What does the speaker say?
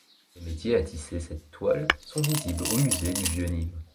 Des métiers à tisser cette toile sont visibles au Musée du Vieux-Nîmes.